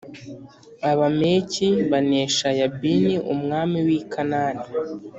abameki banesha Yabini umwami w i Kanani